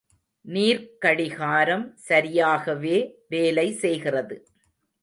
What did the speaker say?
நீர்க்கடிகாரம் சரியாகவே வேலை செய்கிறது.